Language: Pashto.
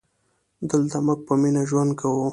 دلته مونږ په مینه ژوند کوو